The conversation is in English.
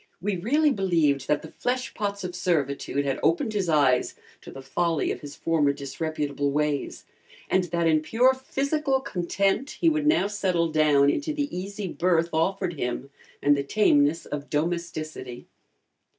We really believed that the fleshpots of servitude had opened his eyes to the folly of his former disreputable ways, and that in pure physical content he would now settle down into the easy berth offered him and the tameness of domesticity.